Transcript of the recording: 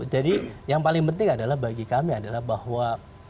jadi yang paling penting adalah bagi kami adalah bahwa